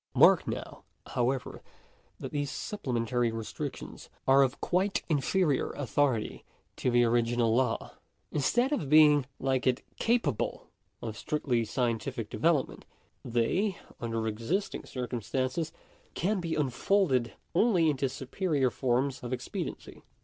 Mark now, however, that these supplementary restrictions are of quite inferior authority to the original law. Instead of being, like it, capable of strictly scientific development, they (under existing circumstances) can be unfolded only into superior forms of expediency.